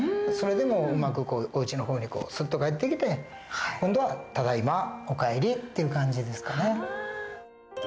それでうまくおうちの方にすっと帰ってきて今度は「ただいま」「お帰り」っていう感じですかね。